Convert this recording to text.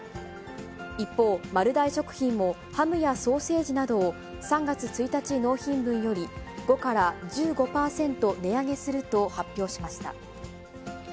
一方、丸大食品も、ハムやソーセージなどを３月１日納品分より５から１５％値上げすると発表しました。